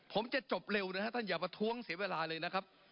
ผมจะจบเร็วนะครับท่านอย่าประท้วงเสียเวลาเลยนะครับ